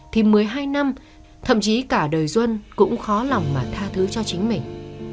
thì mới hai năm thậm chí cả đời duân cũng khó lòng mà tha thứ cho chính mình